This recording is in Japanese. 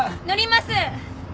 乗ります。